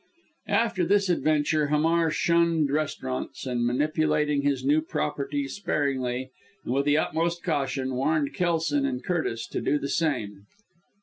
After this adventure Hamar shunned restaurants, and manipulating his new property sparingly, and with the utmost caution, warned Kelson and Curtis to do the same.